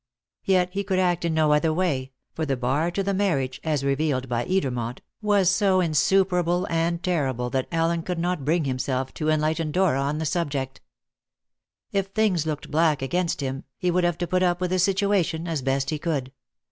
Yet he could act in no other way, for the bar to the marriage, as revealed by Edermont, was so insuperable and terrible that Allen could not bring himself to enlighten Dora on the subject. If things looked black against him, he would have to put up with the situation as best he could.